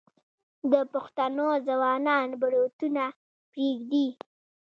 د پښتنو ځوانان بروتونه پریږدي.